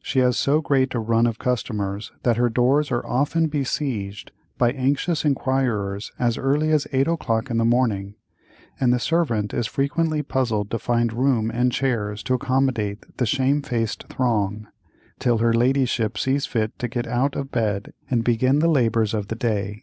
She has so great a run of customers that her doors are often besieged by anxious inquirers as early as eight o'clock in the morning, and the servant is frequently puzzled to find room and chairs to accommodate the shame faced throng, till her ladyship sees fit to get out of bed and begin the labors of the day.